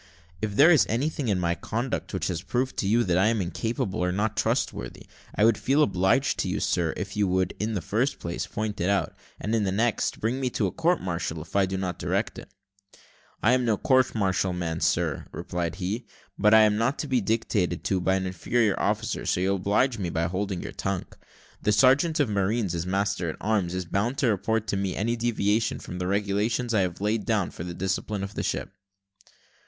"If there is anything in my conduct which has proved to you that I am incapable, or not trustworthy, I would feel obliged to you, sir, if you would, in the first place, point it out; and, in the next, bring me to a court martial if I do not correct it." "I am no court martial man, sir," replied he, "but I am not to be dictated to by an inferior officer, so you'll oblige me by holding your tongue. The sergeant of marines, as master at arms, is bound to report to me any deviation from the regulations I have laid down for the discipline of the ship."